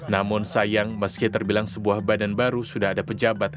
namun sayang meski terbilang sebuah badan baru sudah ada pejabat